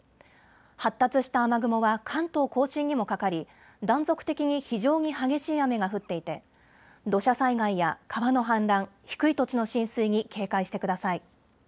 発達した雨雲は関東甲信にもかかり、断続的に非常に激しい雨が降っていて土砂災害や川の氾濫、低い土地の浸水に警戒してください。